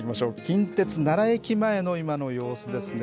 近鉄奈良駅前の今の様子ですね。